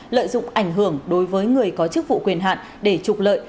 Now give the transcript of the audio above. lợi dụng ảnh hưởng đối với người có chức vụ quyền hạn để trục lợi